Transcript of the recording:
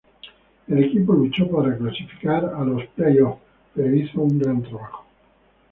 El equipo luchó para clasificar a los Play Offs, pero hizo un gran trabajo.